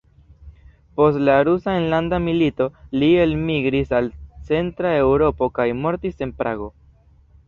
Post la Rusa Enlanda Milito li elmigris al Centra Eŭropo kaj mortis en Prago.